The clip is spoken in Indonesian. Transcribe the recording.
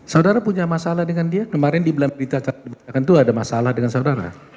saudara punya masalah dengan dia kemarin di belakang itu ada masalah dengan saudara